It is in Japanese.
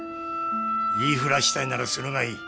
言いふらしたいならするがいい。